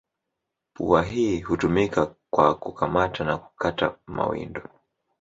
Pua hii hutumika kwa kukamata na kukata mawindo.